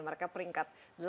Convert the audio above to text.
mereka peringkat delapan